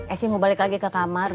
eh sih mau balik lagi ke kamar